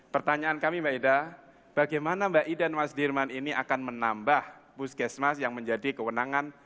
pertanyaan kami mbak ida bagaimana mbak ida dan mas dirman ini akan menambah puskesmas yang menjadi kewenangan